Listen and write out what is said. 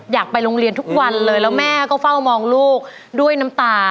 อยากไปโรงเรียนทุกวันเลยแล้วแม่ก็เฝ้ามองลูกด้วยน้ำตา